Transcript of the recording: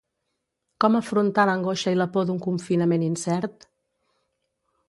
Com afrontar l’angoixa i la por d’un confinament incert?